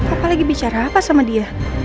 apa lagi bicara apa sama dia